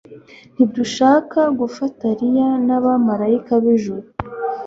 Nitudashaka gufatariya n'abamarayika b'ijuru,